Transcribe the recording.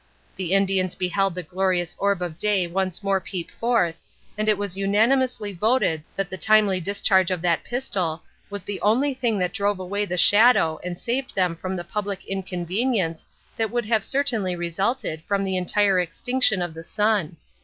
The Indians beheld the glorious orb of day once more peep forth, and it was unanimously voted that the timely discharge of that pistol was the only thing that drove away the shadow and saved them from the public inconvenience that would have certainly resulted from the entire extinction of the Sun."